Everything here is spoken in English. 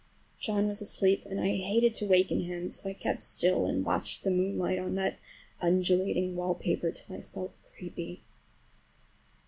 John was asleep and I hated to waken him, so I kept still and watched the moonlight on that undulating wallpaper till I felt creepy.